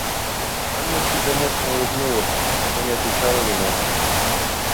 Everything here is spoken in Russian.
Анна чуть заметно улыбнулась, но не отвечала ему.